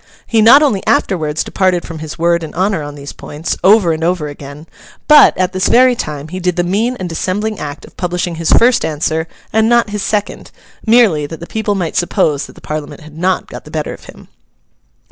He not only afterwards departed from his word and honour on these points, over and over again, but, at this very time, he did the mean and dissembling act of publishing his first answer and not his second—merely that the people might suppose that the Parliament had not got the better of him.